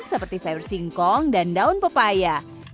seperti sayur singkong dan daun pepaya